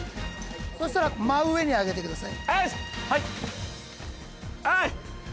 そしたら真上に上げてくださはい。